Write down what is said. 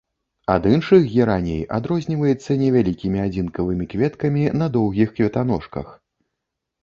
Ад іншых гераней адрозніваецца невялікімі адзінкавымі кветкамі на доўгіх кветаножках.